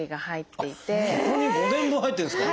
そこに５年分入ってるんですか！？